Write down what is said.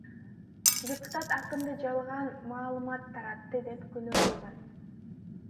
Депутат акынды жалган маалымат таратты деп күнөөлөгөн.